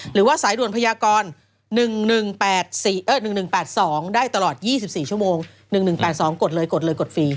หรือว่าสายด่วนพยากร๑๑๑๑๘๒ได้ตลอด๒๔ชั่วโมง๑๑๘๒กดเลยกดเลยกดฟรี